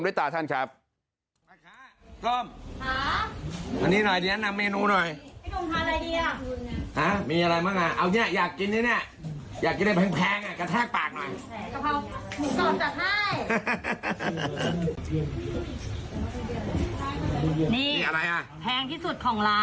นี่นี่อะไรอ่ะแพงที่สุดของร้านแล้วก็ตอนนี้ก็คือแพงที่สุด